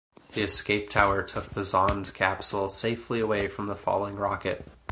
The escape tower took the Zond capsule safely away from the falling rocket.